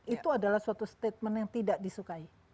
itu adalah suatu statement yang tidak disukai